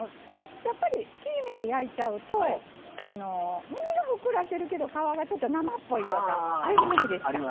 やっぱり切り身で焼いちゃうと身がふっくらしてるけど皮が生っぽいとかあるじゃないですか。